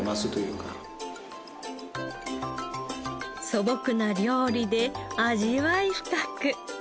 素朴な料理で味わい深く。